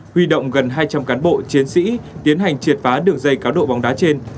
huy động gần hai trăm linh cán bộ chiến sĩ tiến hành triệt phá đường dây cá độ bóng đá trên